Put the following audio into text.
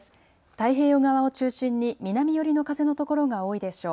太平洋側を中心に南寄りの風のところが多いでしょう。